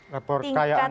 lapor kekayaan ya